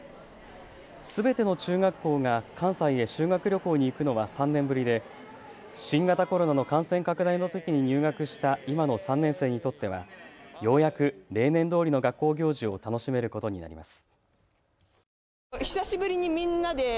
すべての中学校が関西へ修学旅行に行くのは３年ぶりで新型コロナの感染拡大のときに入学した今の３年生にとってはようやく例年どおりの学校行事を楽しめることになります。